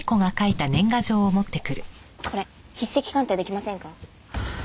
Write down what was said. これ筆跡鑑定出来ませんか？